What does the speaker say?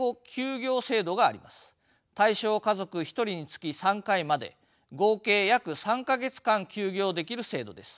対象家族１人につき３回まで合計約３か月間休業できる制度です。